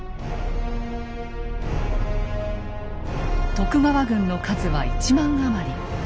徳川軍の数は１万余り。